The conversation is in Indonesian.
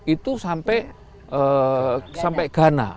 itu sampai ghana